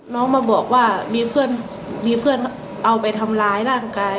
น้องมาบอกว่ามีเพื่อนมีเพื่อนเอาไปทำร้ายร่างกาย